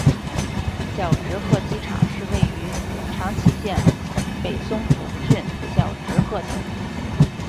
小值贺机场是位于长崎县北松浦郡小值贺町。